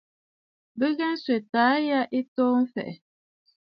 Bɨ ghɛɛ nswɛ̀tə naà ya ɨ to mfɛ̀ʼɛ̀.